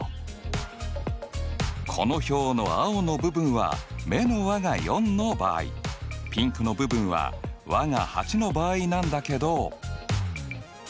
この表の青の部分は目の和が４の場合ピンクの部分は和が８の場合なんだけど。